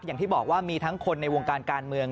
อย่างที่บอกว่ามีทั้งคนในวงการการเมือง